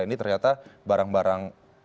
ini ternyata barang barang